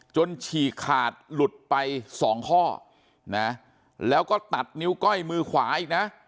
ฉีกขาดหลุดไปสองข้อนะแล้วก็ตัดนิ้วก้อยมือขวาอีกนะ